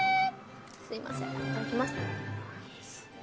すみません、いただきます。